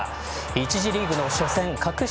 １次リーグの初戦格下